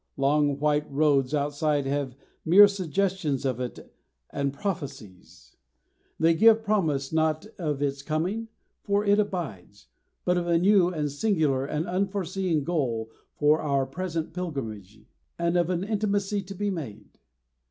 Long white roads outside have mere suggestions of it and prophecies; they give promise not of its coming, for it abides, but of a new and singular and unforeseen goal for our present pilgrimage, and of an intimacy to be made.